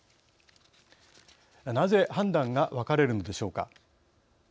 なぜ判断が分かれるのでしょうか。